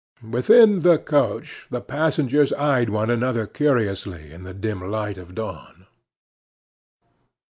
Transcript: Within the coach the passengers eyed one another curiously in the dim light of dawn.